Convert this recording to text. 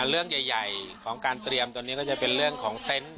เรื่องใหญ่ของการเตรียมตอนนี้ก็จะเป็นเรื่องของเต็นต์